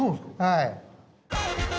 はい。